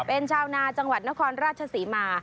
เป็นชาวนาจังหวัดนครราชศรีมา